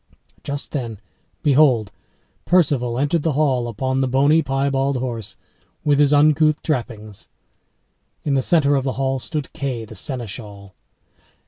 Just then, behold, Perceval entered the hall upon the bony, piebald horse, with his uncouth trappings. In the centre of the hall stood Kay the Seneschal.